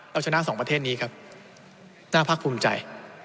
เราชนะ๒ประเทศนี้ครับน่าพรรคภูมิใจ